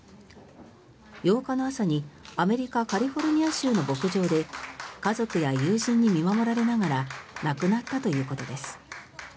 ８日の朝に、アメリカ・カリフォルニア州の牧場で家族や友人に見守られながら亡くなったということです。